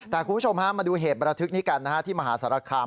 แต่คุณผู้ชมมาดูเหตุระทึกนี้กันที่มหาศาลคาม